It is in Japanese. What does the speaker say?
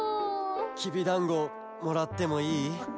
きびだんごもらってもいい？